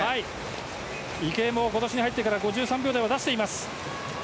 池江も今年に入ってから５３秒台を出しています。